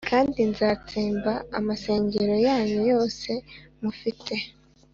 Kandi nzatsemba amasengero yanyu yose mufite